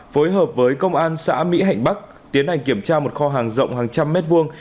phối hợp với công an xã mỹ hạnh bắc tiến hành kiểm tra một kho hàng rộng hàng trăm mét vuông